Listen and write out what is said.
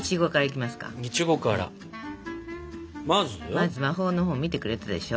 まず魔法の本を見てくれてたでしょ？